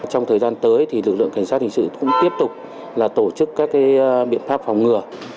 trong thời gian tới thì lực lượng cảnh sát hình sự cũng tiếp tục tổ chức các biện pháp phòng ngừa